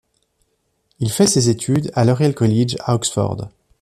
Il fait ses études à l’Oriel College à Oxford.